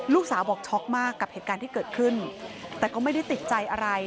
ลูกสาวบอกช็อกมากกับเหตุการณ์ที่เกิดขึ้นแต่ก็ไม่ได้ติดใจอะไร